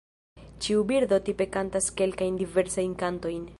Ĉiu birdo tipe kantas kelkajn diversajn kantojn.